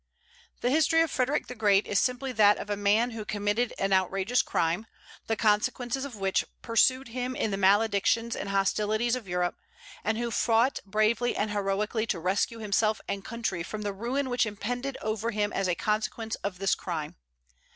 The history of Frederic the Great is simply that of a man who committed an outrageous crime, the consequences of which pursued him in the maledictions and hostilities of Europe, and who fought bravely and heroically to rescue himself and country from the ruin which impended over him as a consequence of this crime.